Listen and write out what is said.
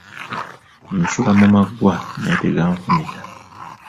Nsula mu maggwa naye teganfumita.